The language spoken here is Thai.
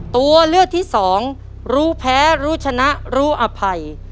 ตัวเลือกที่สองรู้แพ้รู้ชนะรู้อภัย